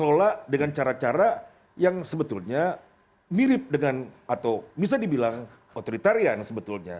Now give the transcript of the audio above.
mengelola dengan cara cara yang sebetulnya mirip dengan atau bisa dibilang otoritarian sebetulnya